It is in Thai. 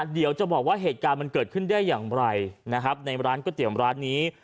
เดี๋ยวจะบอกว่าเหตุการณ์มันเกิดขึ้นได้อย่างไรนะครับในร้านก๋วยเตี๋ยวร้านนี้